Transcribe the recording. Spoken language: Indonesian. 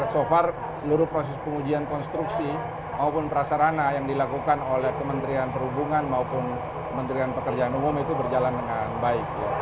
jadi kita bisa mengajukan bahwa pengujian konstruksi maupun prasarana yang dilakukan oleh kementerian perhubungan maupun kementerian pekerjaan umum itu berjalan dengan baik